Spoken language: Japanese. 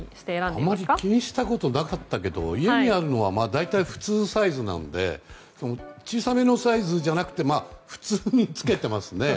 あまり気にしたことなかったけど家にあるのは大体普通サイズなので小さめのサイズじゃなくて普通に着けていますね。